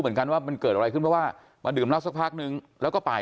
ขอบอกเขาก็ไม่รู้เหมือนกันว่ามันเกิดอะไรขึ้นเพราะว่ามาดื่มเหล้าสักพักนึงแล้วก็ไป